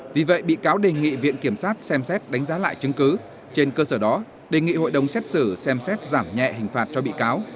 vì vậy bị cáo đề nghị viện kiểm sát xem xét đánh giá lại chứng cứ trên cơ sở đó đề nghị hội đồng xét xử xem xét giảm nhẹ hình phạt cho bị cáo